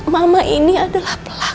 mama ini adalah pelak